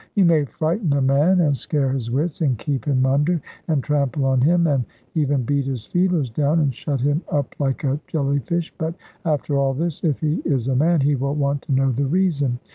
You may frighten a man, and scare his wits, and keep him under, and trample on him, and even beat his feelers down, and shut him up like a jellyfish; but, after all this, if he is a man, he will want to know the reason.